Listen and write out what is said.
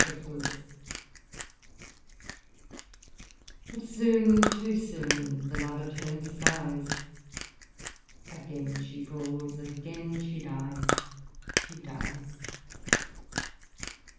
F. Lewis, " But soon, too soon, the lover turns his eyes ; Again she falls, again she dies, she dies